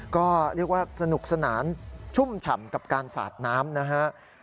ก็เรียกว่าสนุกสนานชุ่มฉ่ำกับการสาดน้ำนะฮะ